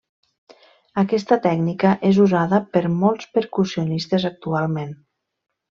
Aquesta tècnica és usada per molts percussionistes actualment.